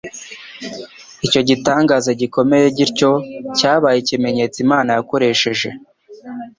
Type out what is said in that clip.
Icyo gitangaza gikomeye gityo cyabaye ikimenyetso Imana yakoresheje